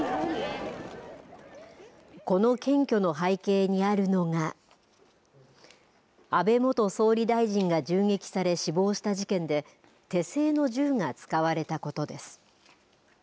この検挙の背景にあるのが安倍元総理大臣が銃撃され死亡した事件で手製の銃が使われたことです。